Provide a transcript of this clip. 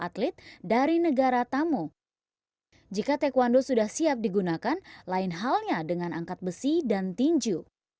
taekwondo sudah siap digunakan lain halnya dengan angkat besi dan tinju